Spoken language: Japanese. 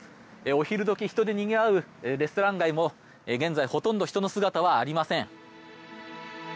お昼時人でにぎわうレストラン街も現在、ほとんど人の姿はありません。